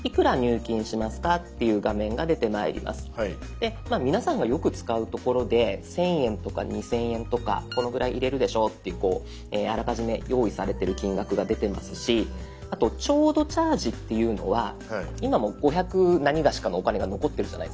で皆さんがよく使うところで１，０００円とか２，０００円とかこのぐらい入れるでしょうっていうあらかじめ用意されてる金額が出てますしあと「ちょうどチャージ」っていうのは今も５００なにがしかのお金が残ってるじゃないですか。